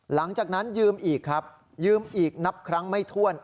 หลังจากนั้นยืมอีกครับยืมอีกนับครั้งไม่ถ้วน